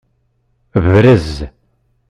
Brez.